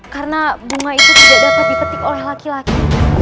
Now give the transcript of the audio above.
karena bunga itu tidak dapat dipetik oleh laki laki